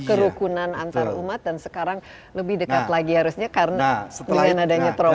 kerukunan antar umat dan sekarang lebih dekat lagi harusnya karena kebinaian adanya terowongan